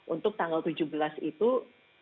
untuk tanggal tujuh belas itu memantau penggunaan tps